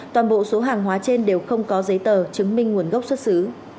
toàn bộ số hàng hóa trên đều không có giấy tờ chứng minh nguồn gốc xuất xứ